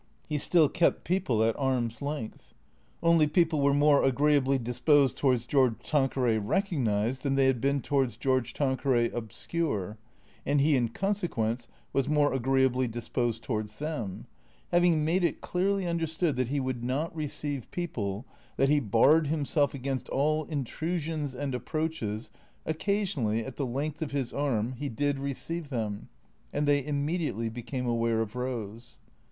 He still kept people at arm's length. Only people were more agreeably dis posed towards George Tanqueray recognized than they had been towards George Tanqueray obscure, and he in consequence was more agreeably disposed towards them. Having made it clearly understood that he would not receive people, that he barred him self against all intrusions and approaches, occasionally, at the length of his arm, he did receive them. And they immediately became aware of Eose.